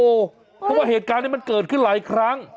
เพราะว่าเหตุการณ์นี้มันเกิดขึ้นหลายครั้ง